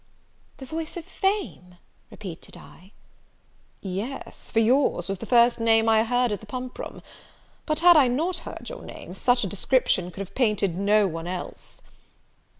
"The voice of fame!" repeated I. "Yes, for yours was the first name I heard at the pump room. But had I not heard your name, such a description could have painted no one else."